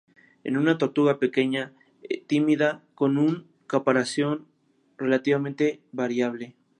Es una tortuga pequeña, tímida, con un caparazón relativamente variable.